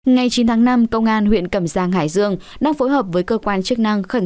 ngày chín tháng năm công an huyện cẩm giang hải dương đang phối hợp với cơ quan chức năng khẩn